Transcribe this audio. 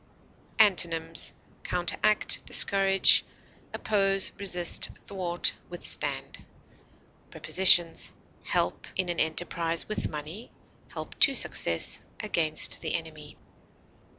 Antonyms: counteract, discourage, oppose, resist, thwart, withstand. Prepositions: Help in an enterprise with money; help to success; against the enemy.